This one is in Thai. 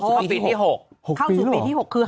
เข้าสู่ปีที่๖